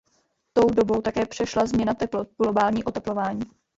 Tou dobou také přešla změna teplot v globální oteplování.